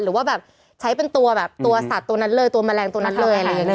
หรือว่าแบบใช้เป็นตัวแบบตัวสัตว์ตัวนั้นเลยตัวแมลงตัวนั้นเลยอะไรอย่างนี้